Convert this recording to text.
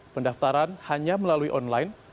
pendaftaran hanya melalui online